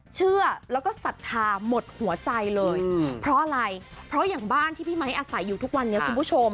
เชื่อแล้วก็ศรัทธาหมดหัวใจเลยเพราะอะไรเพราะอย่างบ้านที่พี่ไมค์อาศัยอยู่ทุกวันนี้คุณผู้ชม